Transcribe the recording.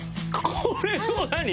これを何？